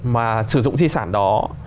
mà sử dụng di sản đó